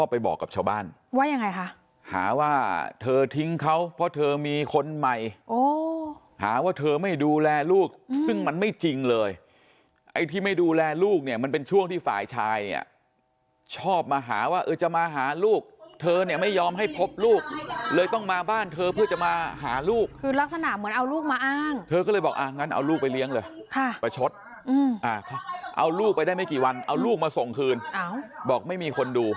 ไปบอกกับชาวบ้านว่ายังไงคะหาว่าเธอทิ้งเขาเพราะเธอมีคนใหม่หาว่าเธอไม่ดูแลลูกซึ่งมันไม่จริงเลยไอ้ที่ไม่ดูแลลูกเนี่ยมันเป็นช่วงที่ฝ่ายชายอ่ะชอบมาหาว่าเออจะมาหาลูกเธอเนี่ยไม่ยอมให้พบลูกเลยต้องมาบ้านเธอเพื่อจะมาหาลูกคือลักษณะเหมือนเอาลูกมาอ้างเธอก็เลยบอกอ่ะงั้นเอาลูกไปเลี้ยงเลยค่ะประชดเอาลูกไปได้ไม่กี่วันเอาลูกมาส่งคืนบอกไม่มีคนดู